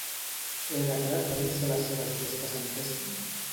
Hèracles va iniciar les seves gestes amb Tespi?